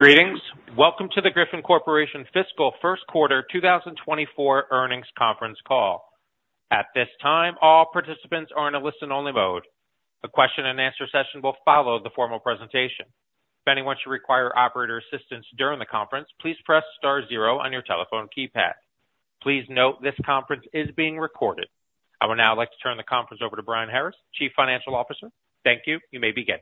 Greetings. Welcome to the Griffon Corporation Fiscal First Quarter 2024 Earnings Conference Call. At this time, all participants are in a listen-only mode. A question-and-answer session will follow the formal presentation. If anyone should require operator assistance during the conference, please press star zero on your telephone keypad. Please note, this conference is being recorded. I would now like to turn the conference over to Brian Harris, Chief Financial Officer. Thank you. You may begin.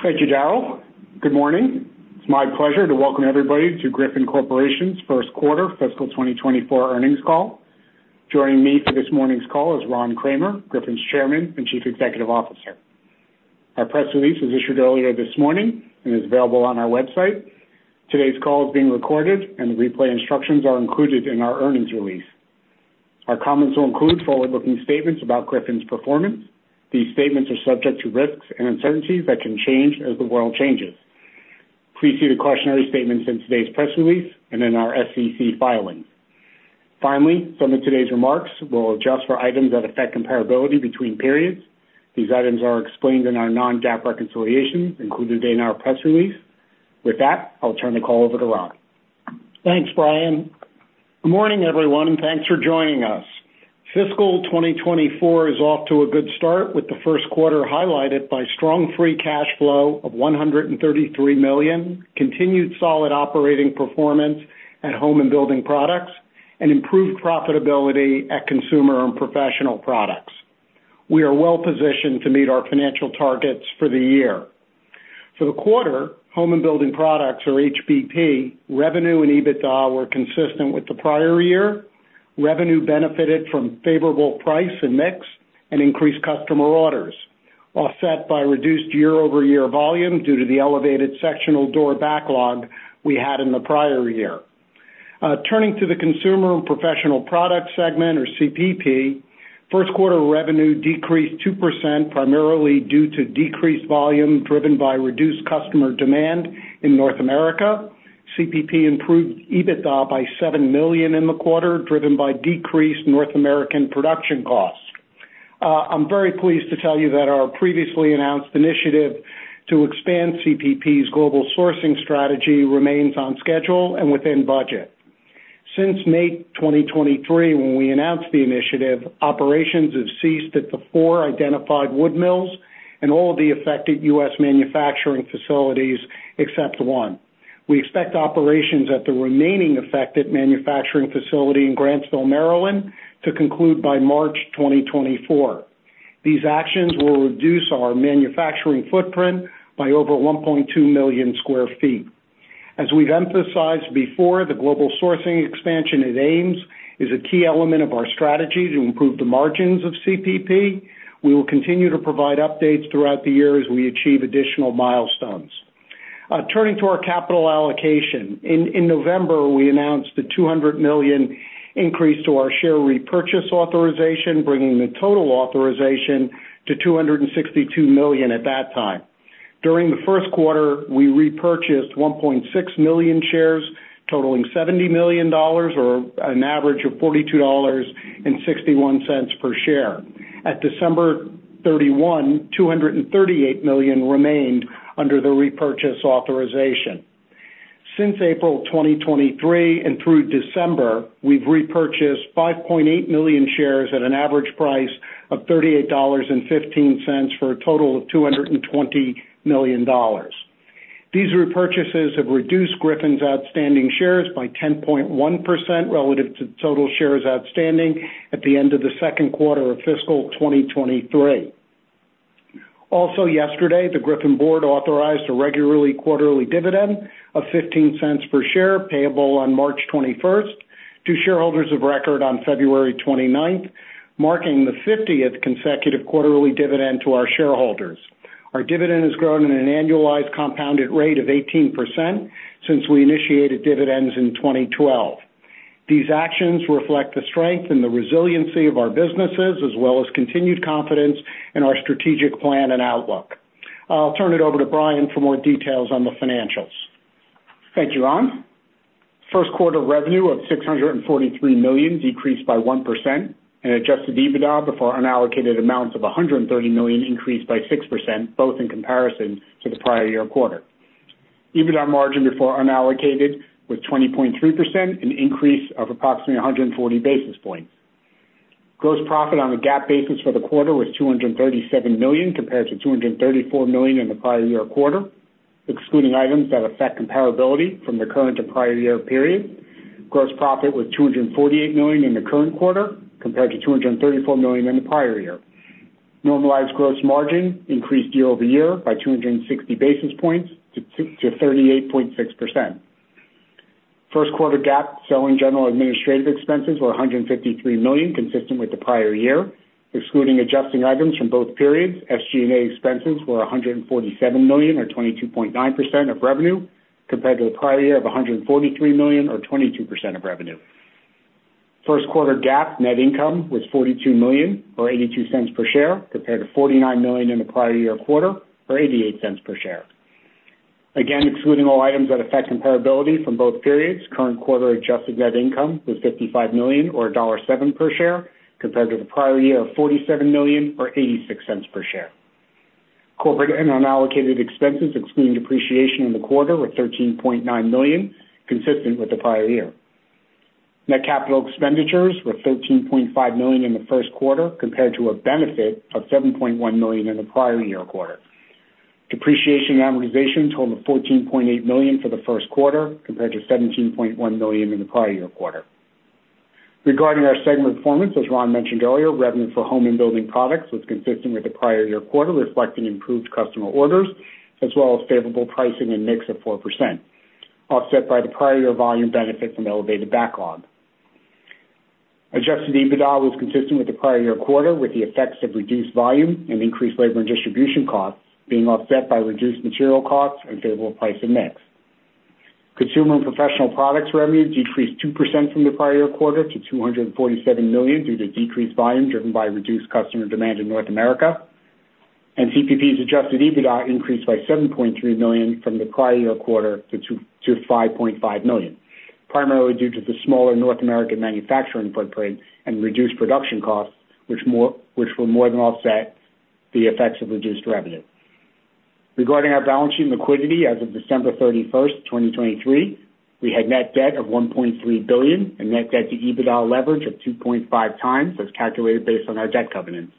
Thank you, Daryl. Good morning. It's my pleasure to welcome everybody to Griffon Corporation's first quarter fiscal 2024 earnings call. Joining me for this morning's call is Ron Kramer, Griffon's Chairman and Chief Executive Officer. Our press release was issued earlier this morning and is available on our website. Today's call is being recorded, and the replay instructions are included in our earnings release. Our comments will include forward-looking statements about Griffon's performance. These statements are subject to risks and uncertainties that can change as the world changes. Please see the cautionary statements in today's press release and in our SEC filings. Finally, some of today's remarks will adjust for items that affect comparability between periods. These items are explained in our non-GAAP reconciliation, included in our press release. With that, I'll turn the call over to Ron. Thanks, Brian. Good morning, everyone, and thanks for joining us. Fiscal 2024 is off to a good start, with the first quarter highlighted by strong free cash flow of $133 million, continued solid operating performance at Home and Building Products, and improved profitability at Consumer and Professional Products. We are well positioned to meet our financial targets for the year. For the quarter, Home and Building Products, or HBP, revenue and EBITDA were consistent with the prior year. Revenue benefited from favorable price and mix and increased customer orders, offset by reduced year-over-year volume due to the elevated sectional door backlog we had in the prior year. Turning to the Consumer and Professional Products segment, or CPP, first quarter revenue decreased 2%, primarily due to decreased volume, driven by reduced customer demand in North America. CPP improved EBITDA by $7 million in the quarter, driven by decreased North American production costs. I'm very pleased to tell you that our previously announced initiative to expand CPP's global sourcing strategy remains on schedule and within budget. Since May 2023, when we announced the initiative, operations have ceased at the four identified wood mills and all of the affected U.S. manufacturing facilities, except one. We expect operations at the remaining affected manufacturing facility in Grantsville, Maryland, to conclude by March 2024. These actions will reduce our manufacturing footprint by over 1.2 million sq ft. As we've emphasized before, the global sourcing expansion at Ames is a key element of our strategy to improve the margins of CPP. We will continue to provide updates throughout the year as we achieve additional milestones. Turning to our capital allocation. In November, we announced the $200 million increase to our share repurchase authorization, bringing the total authorization to $262 million at that time. During the first quarter, we repurchased 1.6 million shares, totaling $70 million, or an average of $42.61 per share. At December 31, $238 million remained under the repurchase authorization. Since April 2023 and through December, we've repurchased 5.8 million shares at an average price of $38.15, for a total of $220 million. These repurchases have reduced Griffon's outstanding shares by 10.1% relative to total shares outstanding at the end of the second quarter of fiscal 2023. Also yesterday, the Griffon board authorized a regular quarterly dividend of $0.15 per share, payable on March 21st, to shareholders of record on February 29th, marking the 50th consecutive quarterly dividend to our shareholders. Our dividend has grown at an annualized compounded rate of 18% since we initiated dividends in 2012. These actions reflect the strength and the resiliency of our businesses, as well as continued confidence in our strategic plan and outlook. I'll turn it over to Brian for more details on the financials. Thank you, Ron. First quarter revenue of $643 million decreased by 1%, and Adjusted EBITDA before unallocated amounts of $130 million increased by 6%, both in comparison to the prior year quarter. EBITDA margin before unallocated was 20.3%, an increase of approximately 140 basis points. Gross profit on a GAAP basis for the quarter was $237 million, compared to $234 million in the prior year quarter. Excluding items that affect comparability from the current to prior year period, gross profit was $248 million in the current quarter, compared to $234 million in the prior year. Normalized gross margin increased year-over-year by 260 basis points to 38.6%. First quarter GAAP selling general administrative expenses were $153 million, consistent with the prior year. Excluding adjusting items from both periods, SG&A expenses were $147 million, or 22.9% of revenue, compared to the prior year of $143 million or 22% of revenue. First quarter GAAP net income was $42 million, or $0.82 per share, compared to $49 million in the prior year quarter, or $0.88 per share. Again, excluding all items that affect comparability from both periods, current quarter adjusted net income was $55 million or $1.07 per share, compared to the prior year of $47 million or $0.86 per share. Corporate and unallocated expenses, excluding depreciation in the quarter, were $13.9 million, consistent with the prior year. Net capital expenditures were $13.5 million in the first quarter, compared to a benefit of $7.1 million in the prior year quarter. Depreciation and amortization totaled $14.8 million for the first quarter, compared to $17.1 million in the prior year quarter. Regarding our segment performance, as Ron mentioned earlier, revenue for home and building products was consistent with the prior year quarter, reflecting improved customer orders, as well as favorable pricing and mix of 4%, offset by the prior year volume benefit from elevated backlog. Adjusted EBITDA was consistent with the prior year quarter, with the effects of reduced volume and increased labor and distribution costs being offset by reduced material costs and favorable price and mix. Consumer and Professional Products revenues decreased 2% from the prior-year quarter to $247 million, due to decreased volume, driven by reduced customer demand in North America. CPP's adjusted EBITDA increased by $7.3 million from the prior-year quarter to $5.5 million, primarily due to the smaller North American manufacturing footprint and reduced production costs, which will more than offset the effects of reduced revenue. Regarding our balance sheet and liquidity, as of December 31, 2023, we had net debt of $1.3 billion and net debt to EBITDA leverage of 2.5x, as calculated based on our debt covenants,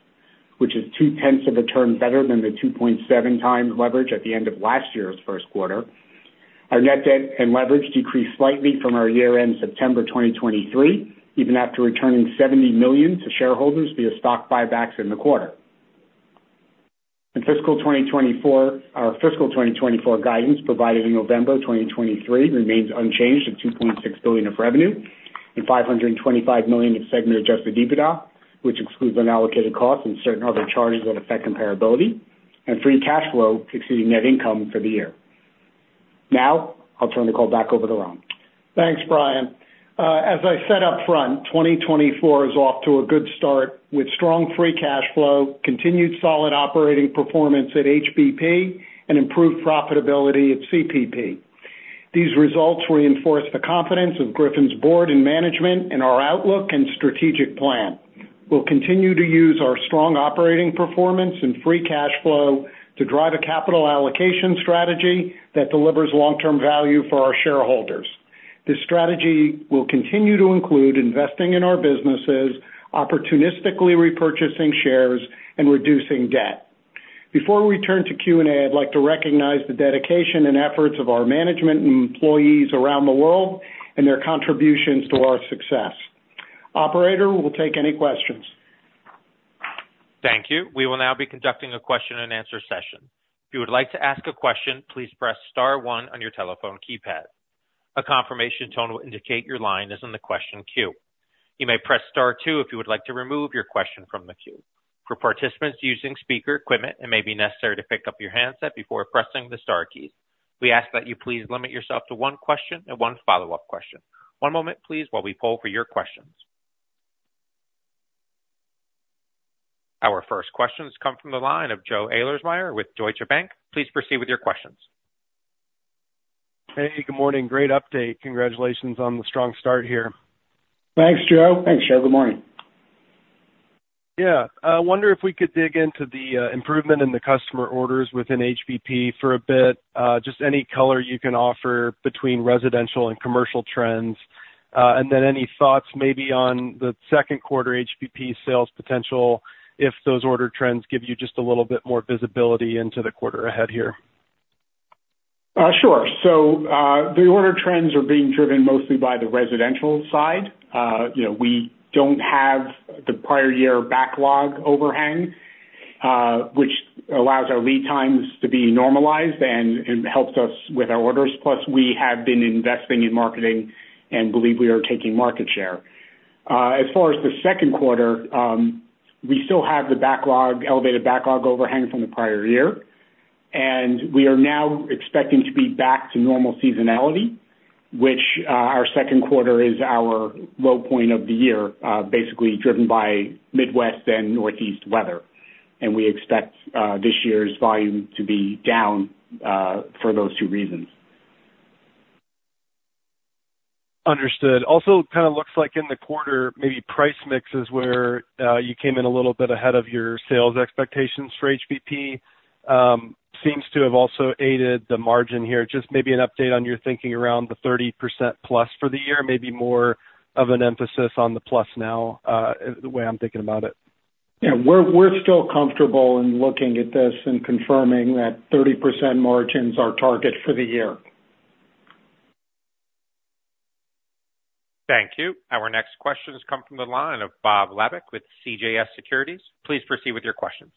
which is 0.2 of a turn better than the 2.7x leverage at the end of last year's first quarter. Our net debt and leverage decreased slightly from our year-end, September 2023, even after returning $70 million to shareholders via stock buybacks in the quarter. In fiscal 2024, our fiscal 2024 guidance, provided in November 2023, remains unchanged of $2.6 billion of revenue and $525 million in segment Adjusted EBITDA, which excludes unallocated costs and certain other charges that affect comparability, and free cash flow exceeding net income for the year. Now, I'll turn the call back over to Ron. Thanks, Brian. As I said up front, 2024 is off to a good start, with strong free cash flow, continued solid operating performance at HBP and improved profitability at CPP. These results reinforce the confidence of Griffon’s board and management in our outlook and strategic plan. We'll continue to use our strong operating performance and free cash flow to drive a capital allocation strategy that delivers long-term value for our shareholders. This strategy will continue to include investing in our businesses, opportunistically repurchasing shares, and reducing debt. Before we turn to Q&A, I'd like to recognize the dedication and efforts of our management and employees around the world and their contributions to our success. Operator, we'll take any questions. Thank you. We will now be conducting a question-and-answer session. If you would like to ask a question, please press star one on your telephone keypad. A confirmation tone will indicate your line is in the question queue. You may press star two if you would like to remove your question from the queue. For participants using speaker equipment, it may be necessary to pick up your handset before pressing the star keys. We ask that you please limit yourself to one question and one follow-up question. One moment, please, while we poll for your questions. Our first questions come from the line of Joe Ahlersmeyer with Deutsche Bank. Please proceed with your questions. Hey, good morning. Great update. Congratulations on the strong start here. Thanks, Joe. Thanks, Joe. Good morning. Yeah, I wonder if we could dig into the improvement in the customer orders within HBP for a bit. Just any color you can offer between residential and commercial trends. Then any thoughts maybe on the second quarter HBP sales potential, if those order trends give you just a little bit more visibility into the quarter ahead here? Sure. The order trends are being driven mostly by the residential side. You know, we don't have the prior year backlog overhang, which allows our lead times to be normalized and, and helps us with our orders. Plus, we have been investing in marketing and believe we are taking market share. As far as the second quarter, we still have the backlog, elevated backlog overhang from the prior year, and we are now expecting to be back to normal seasonality, which, our second quarter is our low point of the year, basically driven by Midwest and Northeast weather. We expect, this year's volume to be down, for those two reasons. Understood. Also, kind of looks like in the quarter, maybe price mix is where you came in a little bit ahead of your sales expectations for HBP. Seems to have also aided the margin here. Just maybe an update on your thinking around the 30%+ for the year, maybe more of an emphasis on the plus now, the way I'm thinking about it? Yeah, we're still comfortable in looking at this and confirming that 30% margin is our target for the year. Thank you. Our next question has come from the line of Bob Labick with CJS Securities. Please proceed with your questions.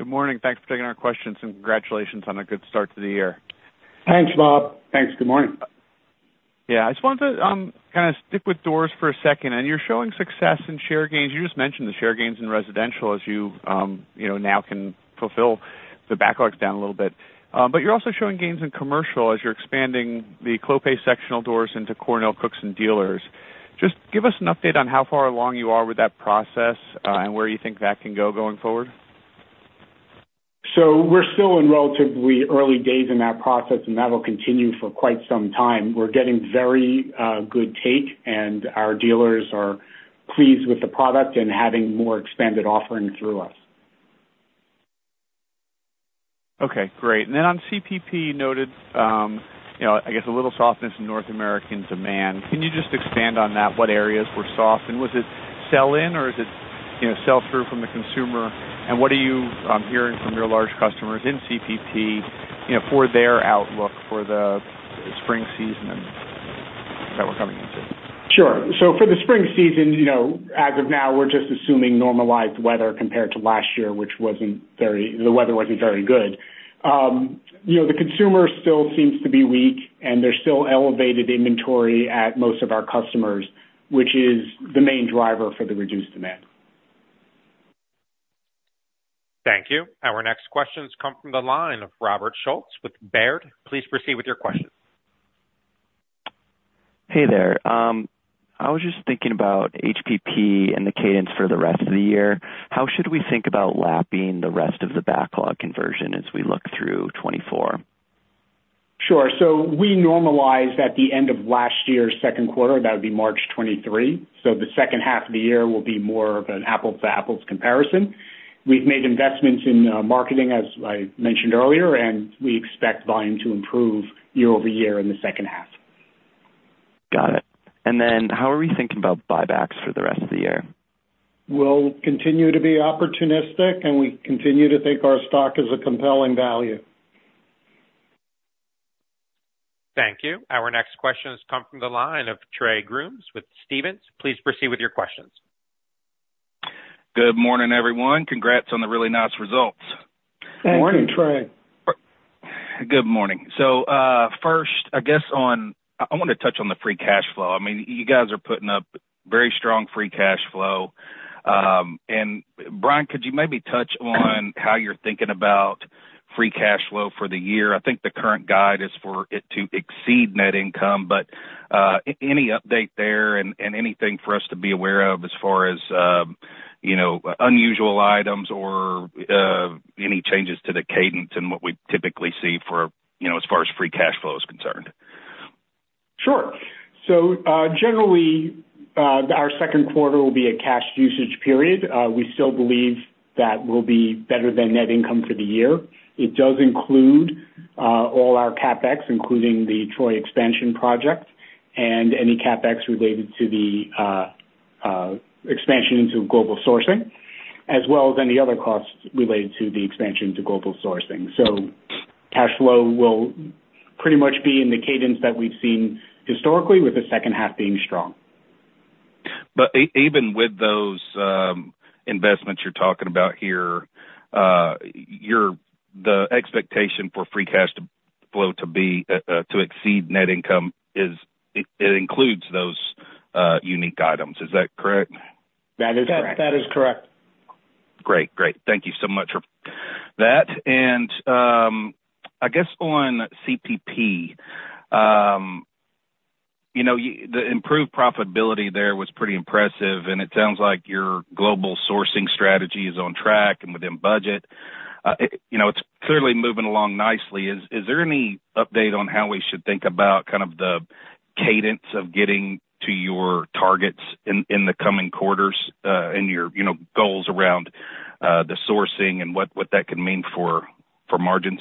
Good morning. Thanks for taking our questions, and congratulations on a good start to the year. Thanks, Bob. Thanks. Good morning. Yeah, I just wanted to kind of stick with doors for a second. You're showing success in share gains. You just mentioned the share gains in residential as you know now can fulfill the backlogs down a little bit. You're also showing gains in commercial as you're expanding the Clopay sectional doors into CornellCookson dealers. Just give us an update on how far along you are with that process and where you think that can go going forward? We're still in relatively early days in that process, and that will continue for quite some time. We're getting very good take, and our dealers are pleased with the product and having more expanded offering through us. Okay, great. Then on CPP, you noted, you know, I guess, a little softness in North American demand. Can you just expand on that? What areas were soft, and was it sell-in or is it, you know, sell-through from the consumer? What are you, hearing from your large customers in CPP, you know, for their outlook for the spring season that we're coming into? Sure. For the spring season, you know, as of now, we're just assuming normalized weather compared to last year, which the weather wasn't very good. You know, the consumer still seems to be weak, and there's still elevated inventory at most of our customers, which is the main driver for the reduced demand. Thank you. Our next questions come from the line of Robert Schultz with Baird. Please proceed with your questions. Hey there. I was just thinking about HBP and the cadence for the rest of the year. How should we think about lapping the rest of the backlog conversion as we look through 2024? Sure. We normalized at the end of last year's second quarter, that would be March 2023. The second half of the year will be more of an apples-to-apples comparison. We've made investments in, marketing, as I mentioned earlier, and we expect volume to improve year-over-year in the second half. Got it. How are we thinking about buybacks for the rest of the year? We'll continue to be opportunistic, and we continue to think our stock is a compelling value. Thank you. Our next questions come from the line of Trey Grooms with Stephens. Please proceed with your questions. Good morning, everyone. Congrats on the really nice results. Good morning, Trey. Good morning. First, I guess on, I wanna touch on the free cash flow. I mean, you guys are putting up very strong free cash flow. Brian, could you maybe touch on how you're thinking about free cash flow for the year? I think the current guide is for it to exceed net income, but, any update there and, and anything for us to be aware of as far as, you know, unusual items or, any changes to the cadence and what we typically see for, you know, as far as free cash flow is concerned? Sure. Generally, our second quarter will be a cash usage period. We still believe that we'll be better than net income for the year. It does include all our CapEx, including the Troy expansion project and any CapEx related to the expansion into global sourcing, as well as any other costs related to the expansion to global sourcing. Cash flow will pretty much be in the cadence that we've seen historically, with the second half being strong. Even with those investments you're talking about here, the expectation for free cash flow to be to exceed net income is, it includes those unique items. Is that correct? That is correct. That is correct. Great. Great. Thank you so much for that. I guess on CPP, you know, the improved profitability there was pretty impressive, and it sounds like your global sourcing strategy is on track and within budget. You know, it's clearly moving along nicely. Is there any update on how we should think about kind of the cadence of getting to your targets in the coming quarters, and your, you know, goals around the sourcing and what that could mean for margins?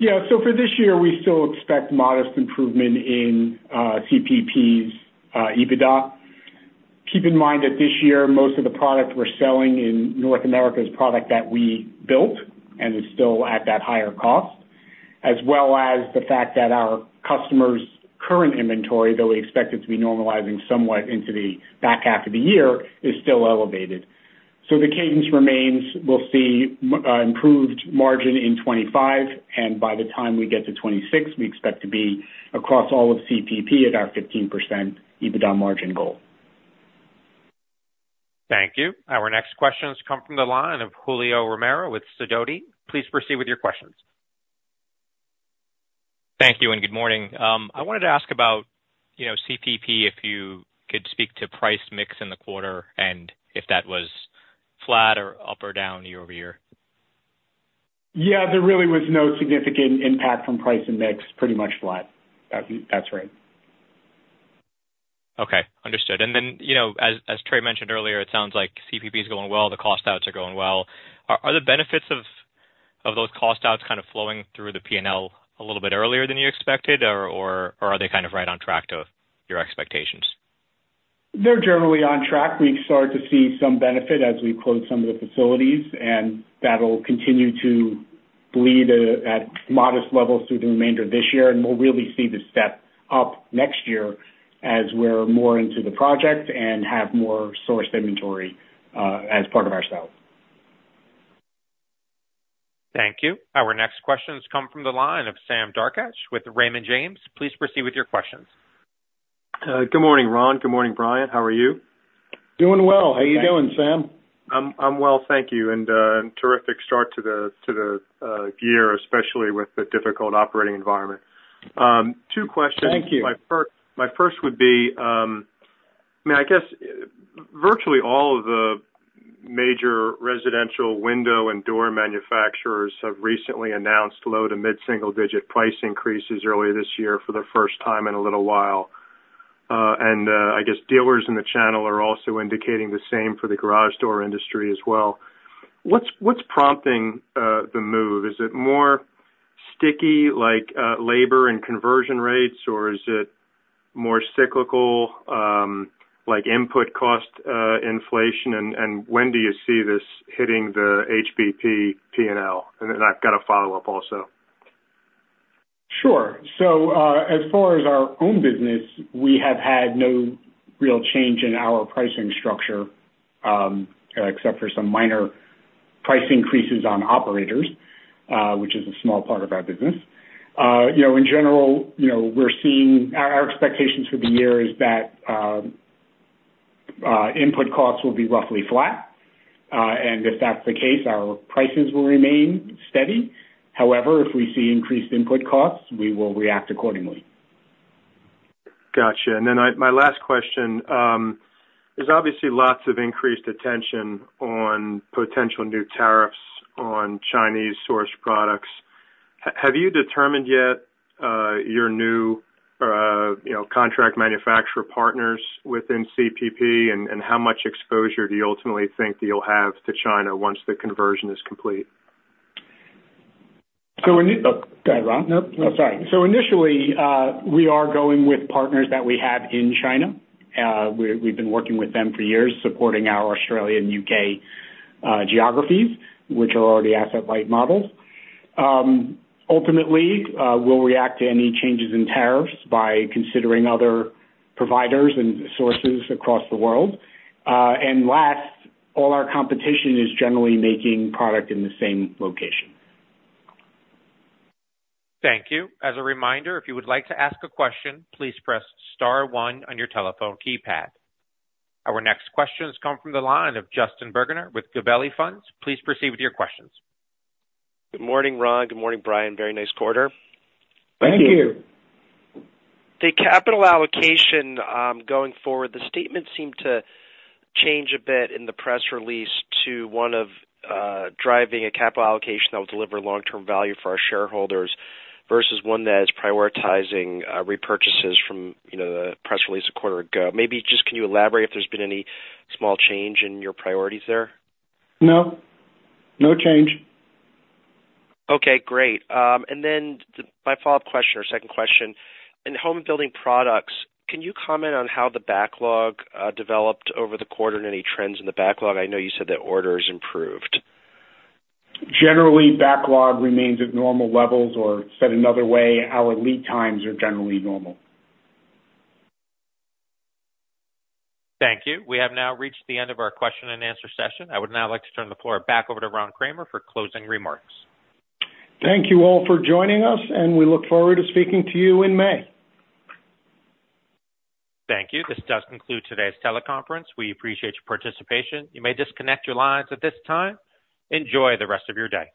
Yeah. For this year, we still expect modest improvement in CPP's EBITDA. Keep in mind that this year, most of the product we're selling in North America is product that we built, and it's still at that higher cost, as well as the fact that our customers' current inventory, though we expect it to be normalizing somewhat into the back half of the year, is still elevated. The cadence remains. We'll see improved margin in 2025, and by the time we get to 2026, we expect to be across all of CPP at our 15% EBITDA margin goal. Thank you. Our next questions come from the line of Julio Romero with Sidoti. Please proceed with your questions. Thank you, and good morning. I wanted to ask about, you know, CPP, if you could speak to price mix in the quarter, and if that was flat or up or down year-over-year? Yeah, there really was no significant impact from price and mix. Pretty much flat. That's, that's right. Okay, understood. Then, you know, as Trey mentioned earlier, it sounds like CPP is going well, the cost outs are going well. Are the benefits of those cost outs kind of flowing through the P&L a little bit earlier than you expected, or are they kind of right on track to your expectations? They're generally on track. We've started to see some benefit as we close some of the facilities, and that'll continue to bleed at modest levels through the remainder of this year. We'll really see the step up next year as we're more into the project and have more sourced inventory as part of our sales. Thank you. Our next questions come from the line of Sam Darkatsh with Raymond James. Please proceed with your questions. Good morning, Ron. Good morning, Brian. How are you? Doing well. How are you doing, Sam? I'm well, thank you. Terrific start to the year, especially with the difficult operating environment. Two questions. Thank you. My first would be, I mean, I guess virtually all of the major residential window and door manufacturers have recently announced low- to mid-single-digit price increases earlier this year for the first time in a little while. I guess dealers in the channel are also indicating the same for the garage door industry as well. What's prompting the move? Is it more sticky, like, labor and conversion rates, or is it more cyclical, like input cost inflation? And when do you see this hitting the HBP P&L? Then I've got a follow-up also. Sure. As far as our own business, we have had no real change in our pricing structure, except for some minor price increases on operators, which is a small part of our business. You know, in general, you know, our expectations for the year is that input costs will be roughly flat, and if that's the case, our prices will remain steady. However, if we see increased input costs, we will react accordingly. Gotcha. Then my last question. There's obviously lots of increased attention on potential new tariffs on Chinese source products. Have you determined yet your new, you know, contract manufacturer partners within CPP? And how much exposure do you ultimately think you'll have to China once the conversion is complete? Oh, go ahead, Ron. Nope. Oh, sorry. Initially, we are going with partners that we have in China. We've been working with them for years, supporting our Australian, U.K., geographies, which are already asset-light models. Ultimately, we'll react to any changes in tariffs by considering other providers and sources across the world. Last, all our competition is generally making product in the same location. Thank you. As a reminder, if you would like to ask a question, please press star one on your telephone keypad. Our next question has come from the line of Justin Bergner with Gabelli Funds. Please proceed with your questions. Good morning, Ron. Good morning, Brian. Very nice quarter. Thank you. Thank you. The capital allocation, going forward, the statement seemed to change a bit in the press release to one of driving a capital allocation that will deliver long-term value for our shareholders, versus one that is prioritizing repurchases from, you know, the press release a quarter ago. Maybe just can you elaborate if there's been any small change in your priorities there? No. No change. Okay, great. Then my follow-up question or second question: In Home and Building Products, can you comment on how the backlog developed over the quarter and any trends in the backlog? I know you said that orders improved. Generally, backlog remains at normal levels, or said another way, our lead times are generally normal. Thank you. We have now reached the end of our question-and-answer session. I would now like to turn the floor back over to Ron Kramer for closing remarks. Thank you all for joining us, and we look forward to speaking to you in May. Thank you. This does conclude today's teleconference. We appreciate your participation. You may disconnect your lines at this time. Enjoy the rest of your day.